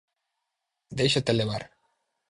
Déixate levar.